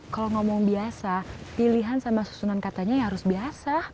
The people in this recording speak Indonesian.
kalau ngomong biasa pilihan sama susunan katanya ya harus biasa